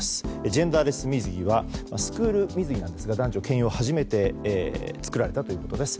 ジェンダーレス水着はスクール水着なんですが男女兼用が初めて作られたということです。